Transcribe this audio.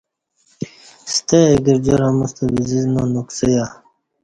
ستہ اہ گرجار اموستہ ب زسنا نکسہ یہ